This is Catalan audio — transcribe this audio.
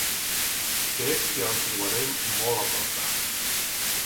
Crec que el trobarem molt a faltar.